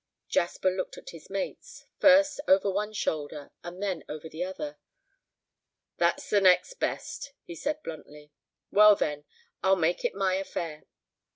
Jasper looked at his mates, first over one shoulder and then over the other. "That's the next best," he said, bluntly. "Well, then, I'll make it my affair."